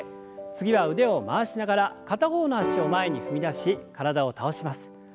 次は腕を回しながら片方の脚を前に踏み出し体を倒します。